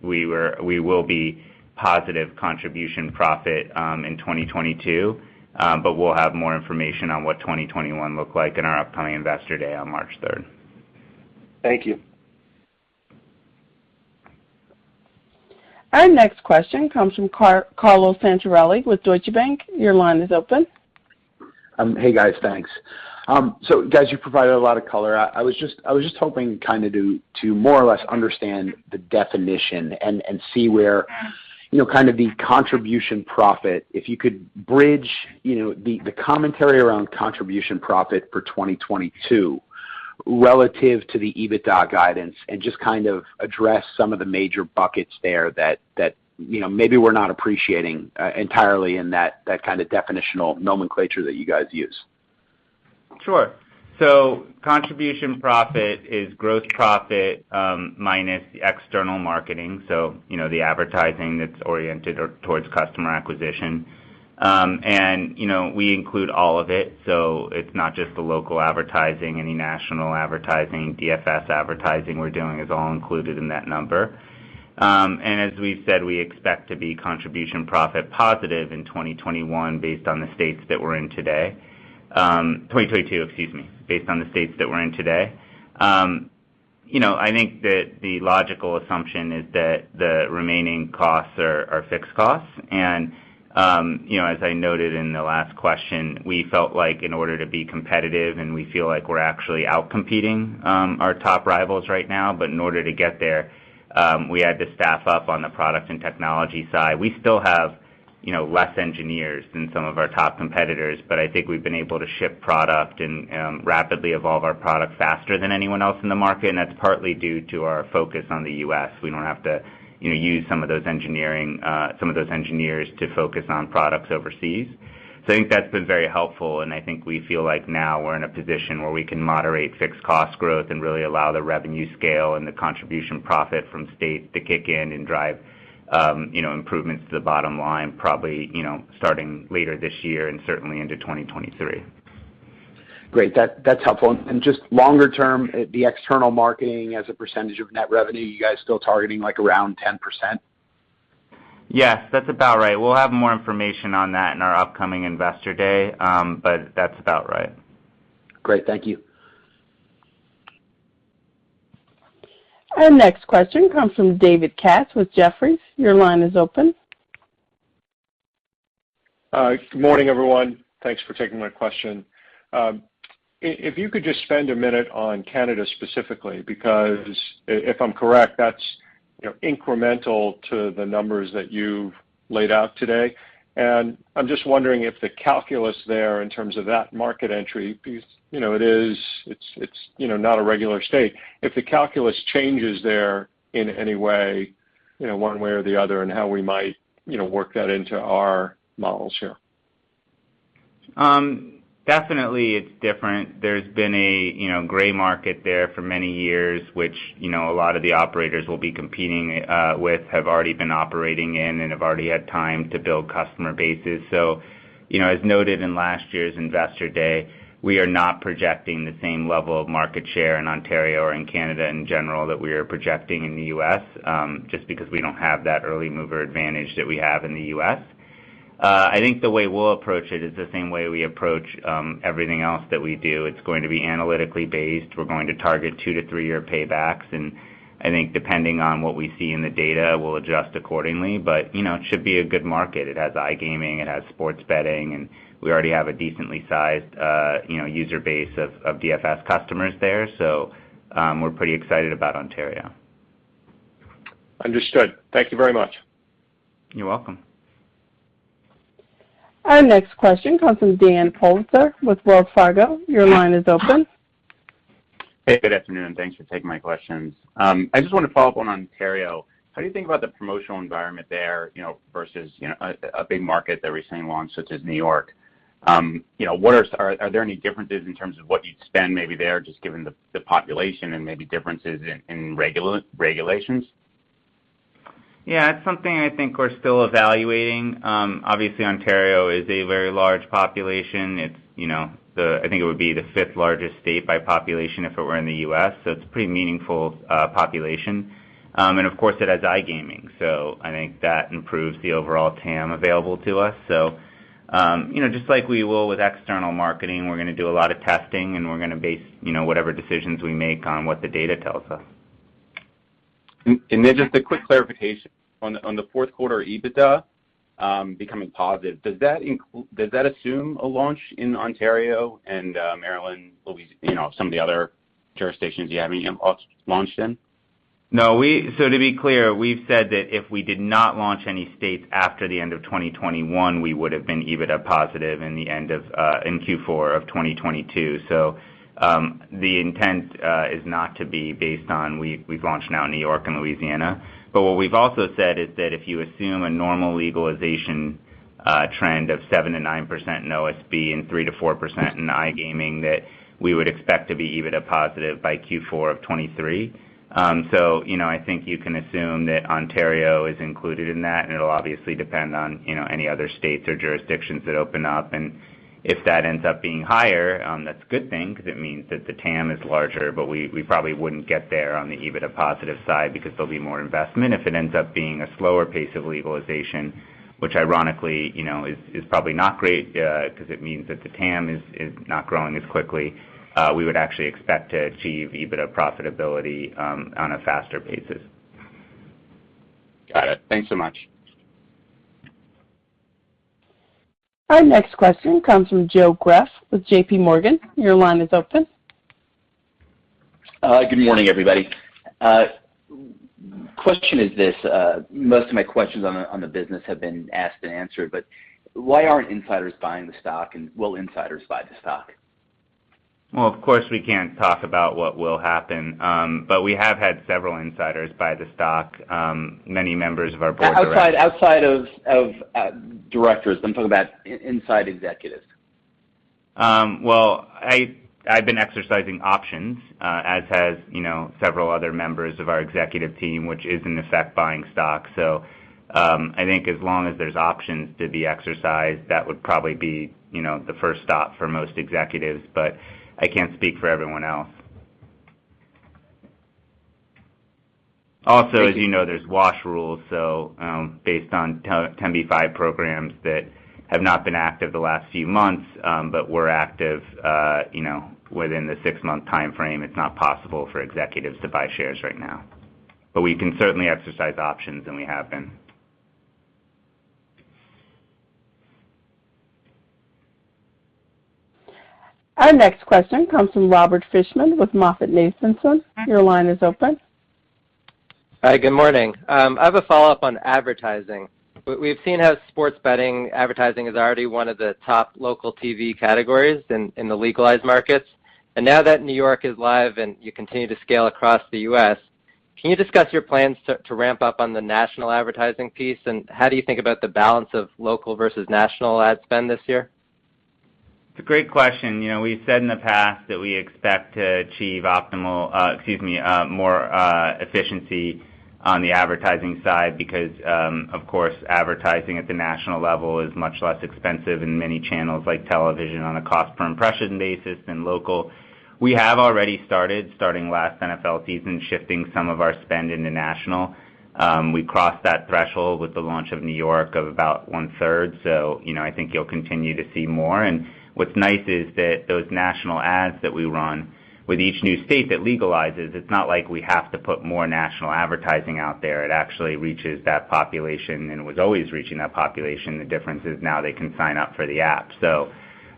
will be positive contribution profit in 2022. We'll have more information on what 2021 looked like in our upcoming Investor Day on March third. Thank you. Our next question comes from Carlo Santarelli with Deutsche Bank. Your line is open. Hey, guys. Thanks. Guys, you provided a lot of color. I was just hoping kinda to more or less understand the definition and see where, you know, kind of the contribution profit, if you could bridge, you know, the commentary around contribution profit for 2022 relative to the EBITDA guidance and just kind of address some of the major buckets there that, you know, maybe we're not appreciating entirely in that kind of definitional nomenclature that you guys use. Sure. Contribution profit is gross profit minus the external marketing, so you know, the advertising that's oriented or towards customer acquisition. You know, we include all of it, so it's not just the local advertising. Any national advertising, DFS advertising we're doing is all included in that number. As we've said, we expect to be contribution profit positive in 2021 based on the states that we're in today. Twenty twenty-two, excuse me, based on the states that we're in today. You know, I think that the logical assumption is that the remaining costs are fixed costs. You know, as I noted in the last question, we felt like in order to be competitive, and we feel like we're actually outcompeting our top rivals right now, but in order to get there, we had to staff up on the product and technology side. We still have, you know, less engineers than some of our top competitors, but I think we've been able to ship product and rapidly evolve our product faster than anyone else in the market, and that's partly due to our focus on the U.S. We don't have to, you know, use some of those engineers to focus on products overseas. I think that's been very helpful, and I think we feel like now we're in a position where we can moderate fixed cost growth and really allow the revenue scale and the contribution profit from state to kick in and drive, you know, improvements to the bottom line, probably, you know, starting later this year and certainly into 2023. Great. That's helpful. Just longer term, the external marketing as a percentage of net revenue, you guys still targeting like around 10%? Yes, that's about right. We'll have more information on that in our upcoming Investor Day, but that's about right. Great. Thank you. Our next question comes from David Katz with Jefferies. Your line is open. Hi, good morning, everyone. Thanks for taking my question. If you could just spend a minute on Canada specifically, because if I'm correct, that's, you know, incremental to the numbers that you've laid out today. I'm just wondering if the calculus there in terms of that market entry, because, you know, it is not a regular state. If the calculus changes there in any way, you know, one way or the other, and how we might, you know, work that into our models here. Definitely it's different. There's been a, you know, gray market there for many years, which, you know, a lot of the operators will be competing with have already been operating in and have already had time to build customer bases. So, you know, as noted in last year's Investor Day, we are not projecting the same level of market share in Ontario or in Canada in general that we are projecting in the U.S., just because we don't have that early mover advantage that we have in the U.S. I think the way we'll approach it is the same way we approach everything else that we do. It's going to be analytically based. We're going to target 2- to 3-year paybacks, and I think depending on what we see in the data, we'll adjust accordingly. You know, it should be a good market. It has iGaming, it has sports betting, and we already have a decently sized, you know, user base of DFS customers there. We're pretty excited about Ontario. Understood. Thank you very much. You're welcome. Our next question comes from Dan Politzer with Wells Fargo. Your line is open. Hey, good afternoon. Thanks for taking my questions. I just want to follow up on Ontario. How do you think about the promotional environment there, you know, versus, you know, a big market that recently launched, such as New York? You know, what are there any differences in terms of what you'd spend maybe there just given the population and maybe differences in regulations? Yeah, it's something I think we're still evaluating. Obviously, Ontario has a very large population. It's, you know, I think it would be the fifth largest state by population if it were in the U.S., so it's a pretty meaningful population. And of course it has iGaming, so I think that improves the overall TAM available to us. You know, just like we will with external marketing, we're gonna do a lot of testing, and we're gonna base, you know, whatever decisions we make on what the data tells us. Just a quick clarification. On the fourth quarter EBITDA becoming positive, does that assume a launch in Ontario and Maryland, you know, some of the other jurisdictions you haven't yet launched in? No. To be clear, we've said that if we did not launch any states after the end of 2021, we would've been EBITDA positive in Q4 of 2022. The intent is not to be based on we've launched now in New York and Louisiana. What we've also said is that if you assume a normal legalization trend of 7% to 9% in OSB and 3% to 4% in iGaming, that we would expect to be EBITDA positive by Q4 of 2023. You know, I think you can assume that Ontario is included in that, and it'll obviously depend on you know, any other states or jurisdictions that open up. If that ends up being higher, that's a good thing because it means that the TAM is larger, but we probably wouldn't get there on the EBITDA positive side because there'll be more investment. If it ends up being a slower pace of legalization, which ironically, you know, is probably not great, because it means that the TAM is not growing as quickly, we would actually expect to achieve EBITDA profitability on a faster basis. Got it. Thanks so much. Our next question comes from Joe Greff with J.P. Morgan. Your line is open. Good morning, everybody. Question is this, most of my questions on the business have been asked and answered, but why aren't insiders buying the stock? Will insiders buy the stock? Well, of course, we can't talk about what will happen. We have had several insiders buy the stock, many members of our board- Outside of directors. I'm talking about inside executives. I've been exercising options, as has, you know, several other members of our executive team, which is in effect buying stock. I think as long as there's options to be exercised, that would probably be, you know, the first stop for most executives, but I can't speak for everyone else. Also, as you know, there's wash rules. Based on 10b5-1 programs that have not been active the last few months, but were active, you know, within the six-month timeframe, it's not possible for executives to buy shares right now. We can certainly exercise options, and we have been. Our next question comes from Robert Fishman with MoffettNathanson. Your line is open. Hi, good morning. I have a follow-up on advertising. We've seen how sports betting advertising is already one of the top local TV categories in the legalized markets. Now that New York is live and you continue to scale across the U.S., can you discuss your plans to ramp up on the national advertising piece? How do you think about the balance of local versus national ad spend this year? It's a great question. You know, we said in the past that we expect to achieve more efficiency on the advertising side because of course, advertising at the national level is much less expensive in many channels like television on a cost per impression basis than local. We have already started last NFL season, shifting some of our spend into national. We crossed that threshold with the launch of New York of about one-third, so you know, I think you'll continue to see more. What's nice is that those national ads that we run, with each new state that legalizes, it's not like we have to put more national advertising out there. It actually reaches that population, and it was always reaching that population. The difference is now they can sign up for the app.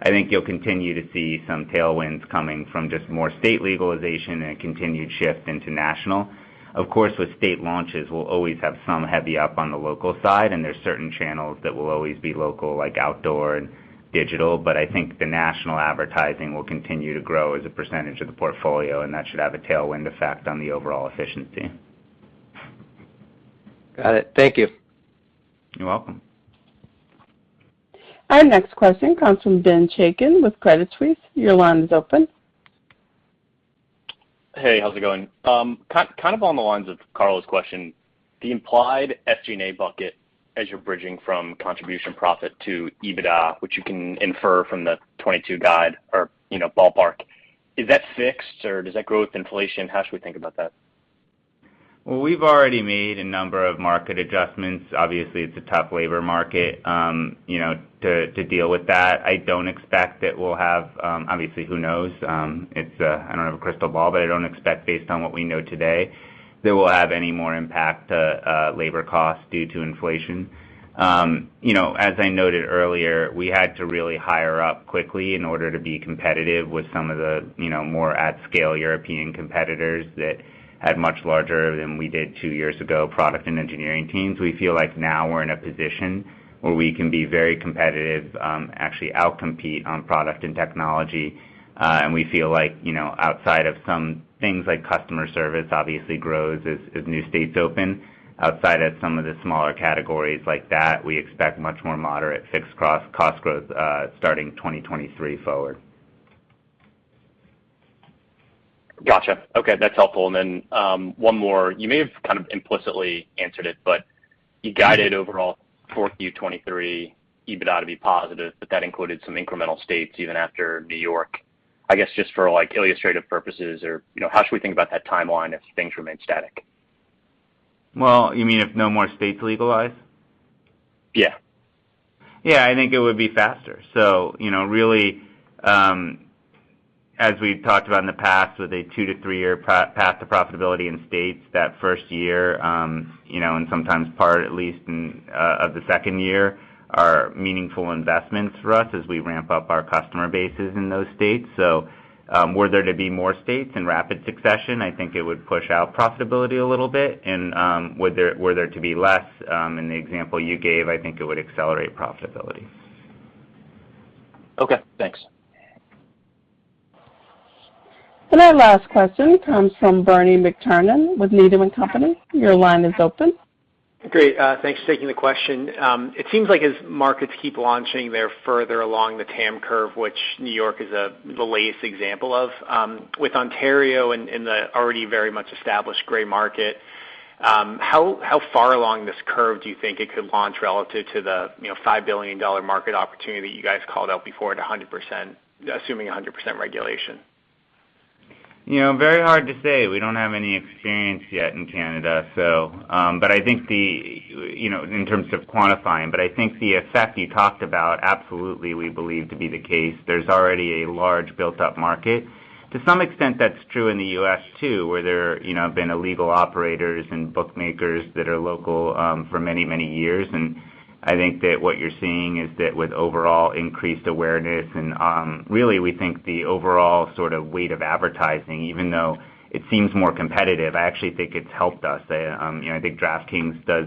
I think you'll continue to see some tailwinds coming from just more state legalization and a continued shift into national. Of course, with state launches, we'll always have some heavy up on the local side, and there's certain channels that will always be local, like outdoor and digital. I think the national advertising will continue to grow as a percentage of the portfolio, and that should have a tailwind effect on the overall efficiency. Got it. Thank you. You're welcome. Our next question comes from Ben Chaiken with Credit Suisse. Your line is open. Hey, how's it going? Kind of on the lines of Carlo's question, the implied SG&A bucket as you're bridging from contribution profit to EBITDA, which you can infer from the 2022 guide or, you know, ballpark, is that fixed, or does that grow with inflation? How should we think about that? Well, we've already made a number of market adjustments. Obviously, it's a tough labor market, you know, to deal with that. Obviously, who knows? I don't have a crystal ball, but I don't expect based on what we know today that we'll have any more impact to labor costs due to inflation. You know, as I noted earlier, we had to really hire up quickly in order to be competitive with some of the, you know, more at scale European competitors that had much larger than we did two years ago product and engineering teams. We feel like now we're in a position where we can be very competitive, actually outcompete on product and technology. We feel like, you know, outside of some things like customer service obviously grows as new states open, outside of some of the smaller categories like that, we expect much more moderate fixed cost growth starting 2023 forward. Gotcha. Okay. That's helpful. One more. You may have kind of implicitly answered it, but you guided overall 4Q 2023 EBITDA to be positive, but that included some incremental states even after New York. I guess, just for, like, illustrative purposes or, you know, how should we think about that timeline if things remain static? Well, you mean if no more states legalize? Yeah. Yeah, I think it would be faster. You know, really, as we've talked about in the past with a 2- to 3-year path to profitability in states, that first year, you know, and sometimes part, at least in, of the second year, are meaningful investments for us as we ramp up our customer bases in those states. Were there to be more states in rapid succession, I think it would push out profitability a little bit. Were there to be less, in the example you gave, I think it would accelerate profitability. Okay. Thanks. Our last question comes from Bernie McTernan with Needham & Company. Your line is open. Great. Thanks for taking the question. It seems like as markets keep launching, they're further along the TAM curve, which New York is the latest example of. With Ontario in the already very much established gray market, how far along this curve do you think it could launch relative to the, you know, $5 billion market opportunity you guys called out before at 100%, assuming 100% regulation? You know, very hard to say. We don't have any experience yet in Canada, so you know, in terms of quantifying, but I think the effect you talked about absolutely we believe to be the case. There's already a large built-up market. To some extent, that's true in the U.S. too, where there you know, have been illegal operators and bookmakers that are local for many, many years. I think that what you're seeing is that with overall increased awareness and really we think the overall sort of weight of advertising, even though it seems more competitive, I actually think it's helped us. You know, I think DraftKings does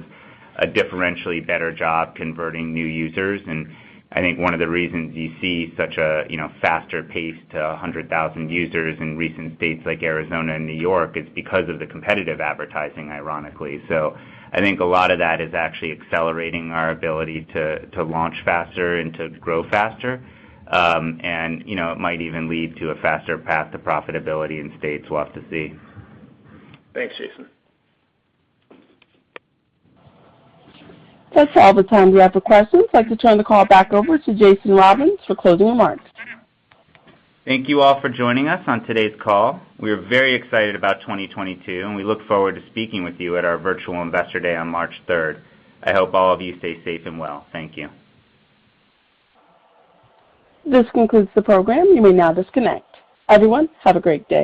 a differentially better job converting new users. I think one of the reasons you see such a, you know, faster pace to 100,000 users in recent states like Arizona and New York is because of the competitive advertising, ironically. I think a lot of that is actually accelerating our ability to launch faster and to grow faster. You know, it might even lead to a faster path to profitability in states. We'll have to see. Thanks, Jason. That's all the time we have for questions. I'd like to turn the call back over to Jason Robins for closing remarks. Thank you all for joining us on today's call. We are very excited about 2022, and we look forward to speaking with you at our virtual Investor Day on March 3rd. I hope all of you stay safe and well. Thank you. This concludes the program. You may now disconnect. Everyone, have a great day.